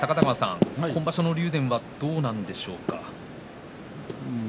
今場所の竜電はどうなんでしょうか。